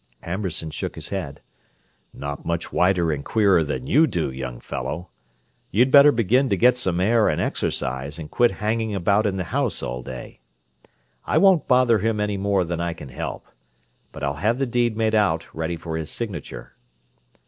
Amberson shook his head. "Not much whiter and queerer than you do, young fellow! You'd better begin to get some air and exercise and quit hanging about in the house all day. I won't bother him any more than I can help; but I'll have the deed made out ready for his signature."